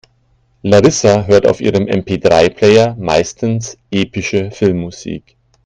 Larissa hört auf ihrem MP-drei-Player meistens epische Filmmusik.